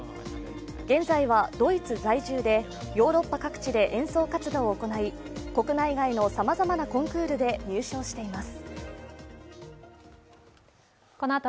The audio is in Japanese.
現在はドイツ在住でヨーロッパ各地で演奏活動を行い国内外のさまざまなコンクールで入賞しています。